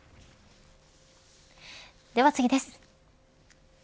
では次です。